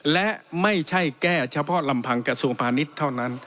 และไม่ใช่แก้เฉพาะลำพังกระทรวงพาณิชย์เท่านั้น